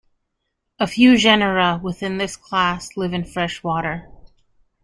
A few genera within this class live in fresh water.